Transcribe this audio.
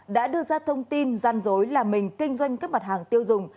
đã đưa ra thông tin gian dối là mình kinh doanh các mặt hàng tiêu dùng